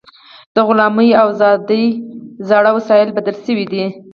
د غلامۍ او ازادۍ زاړه وسایل بدل شوي دي.